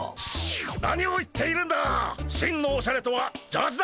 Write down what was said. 何を言っているんだ。